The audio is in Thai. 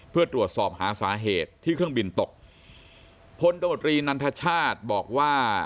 เพื่อตรวจสอบหาสาเหตุที่เครื่องบินตกพลตมตรีนันทชาติบอกว่า